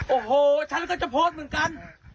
โอ้โหฉันก็จะโพสต์เหมือนกัน